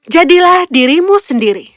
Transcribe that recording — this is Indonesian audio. jadilah dirimu sendiri